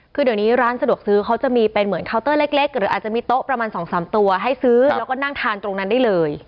คือเดี๋ยวนี้ร้านสะดวกซื้อเขาจะมีเป็นเหมือนเคาน์เตอร์เล็กหรืออาจจะมีโต๊ะประมาณ๒๓ตัวให้ซื้อแล้วก็นั่งทานตรงนั้นได้เลย